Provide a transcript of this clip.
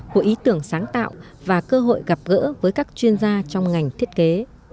của ý tưởng sáng tạo và cơ hội gặp gỡ với các chuyên gia trong ngành thiết kế